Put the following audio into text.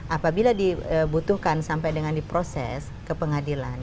apabila dibutuhkan sampai dengan diproses ke pengadilan